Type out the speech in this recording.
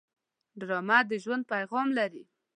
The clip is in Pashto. ډرامه د ژوند پیغام لري